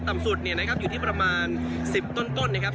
ต่ำสุดเนี่ยนะครับอยู่ที่ประมาณ๑๐ต้นนะครับ